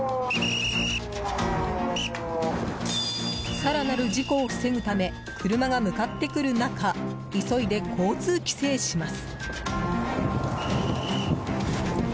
更なる事故を防ぐため車が向かってくる中急いで交通規制します。